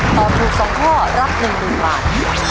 ตอบถูก๒ข้อรับ๑๐๐๐บาท